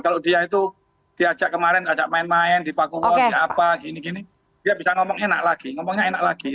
kalau dia itu diajak kemarin diajak main main di pakuwon di apa gini gini dia bisa ngomong enak lagi ngomongnya enak lagi